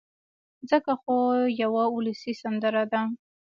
ځکه خو يوه اولسي سندره ده